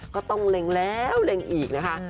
ก็ต้องเล็งแล้วเล็งอีกนะคะ